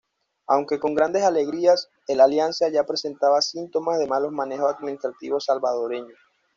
Aunque con grandes alegrías, el Alianza ya presentaba síntomas de malos manejos administrativos salvadoreño.